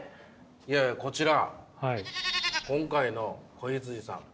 いやいやこちら今回の子羊さん